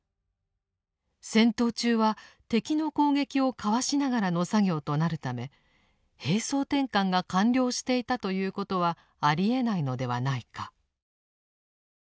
戦闘中は敵の攻撃をかわしながらの作業となるため兵装転換が完了していたということはありえないのではないか。